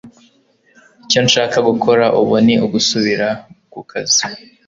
icyo nshaka gukora ubu ni ugusubira ku kazi